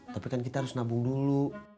tapi kan kita harus nabung dulu